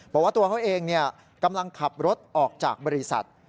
บอกว่าตัวเขาเองกำลังขับรถออกจากบริษัท